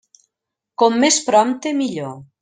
Com més prompte millor.